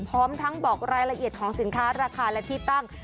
พร้อมทั้งบอกรายละเอียดของสินค้าราคาและที่ตั้ง